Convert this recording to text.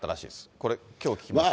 これ、きょう聞きました。